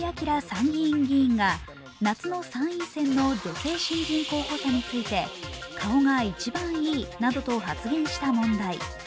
参議院議員が夏の参院選の女性新人候補者について顔が一番いいなどと発言した問題。